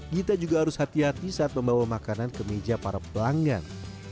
gita juga harus hati hati saat membawa makanan ke meja para pelanggan